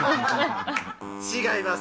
違います。